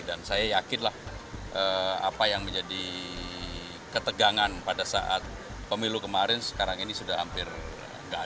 dan saya yakin lah apa yang menjadi ketegangan pada saat pemilu kemarin sekarang ini sudah hampir selesai